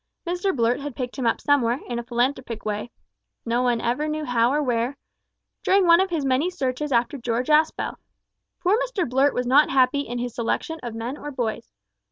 Mr Blurt had picked him up somewhere, in a philanthropic way no one ever knew how or where during one of his many searches after George Aspel. Poor Mr Blurt was not happy in his selection of men or boys.